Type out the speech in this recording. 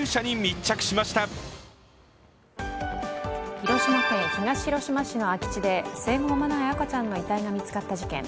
広島県東広島市の空き地で生後間もない赤ちゃんの遺体が見つかった事件。